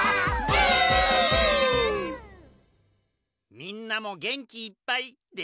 みんなもげんきいっぱいできたかな？